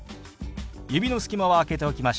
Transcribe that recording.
指の隙間は空けておきましょう。